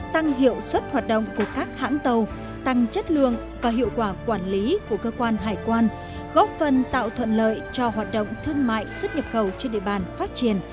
tăng hiệu suất hoạt động của các hãng tàu tăng chất lượng và hiệu quả quản lý của cơ quan hải quan góp phần tạo thuận lợi cho hoạt động thương mại xuất nhập khẩu trên địa bàn phát triển